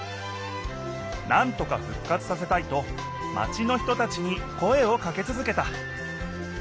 なんとか復活させたいとマチの人たちに声をかけ続けた。